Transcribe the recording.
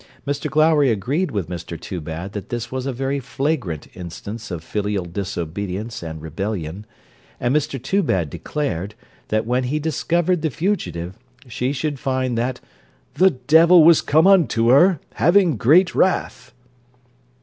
Mr Glowry agreed with Mr Toobad that this was a very flagrant instance of filial disobedience and rebellion; and Mr Toobad declared, that when he discovered the fugitive, she should find that 'the devil was come unto her, having great wrath.'